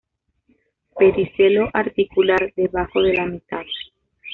Pedicelo articular debajo de la mitad.